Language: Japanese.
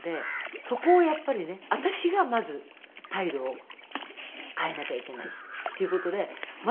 そこをやっぱりね私がまず態度を変えなきゃいけないっていう事でまず。